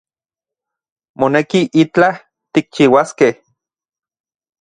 Moneki itlaj tikchiuaskej